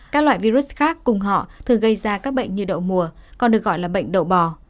các loại virus khác cùng họ thường gây ra các bệnh như đậu mùa còn được gọi là bệnh đậu